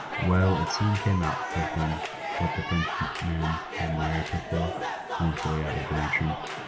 "Well, it soon came out, poor thing! what the Frenchman had married her for," mournfully added the matron.